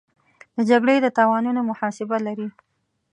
د جګړې د تاوانونو محاسبه لري.